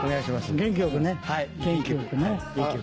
・元気よくね・はい元気よく。